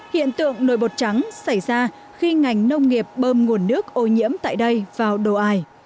hiện tượng nồi bột trắng xảy ra khi ngành nông nghiệp bơm nguồn nước ô nhiễm tại đây vào đồ ải